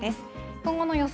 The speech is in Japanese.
今後の予想